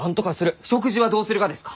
食事はどうするがですか？